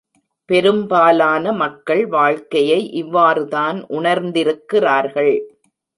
பெரும்பாலான மக்கள் வாழ்க்கையை இவ்வாறு தான் உணர்ந்திருக்கிறார்கள்.